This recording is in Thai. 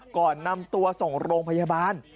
ก่อนนำตัวส่งโรงพยาบาล